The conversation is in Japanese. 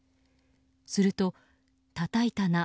すると、たたいたな。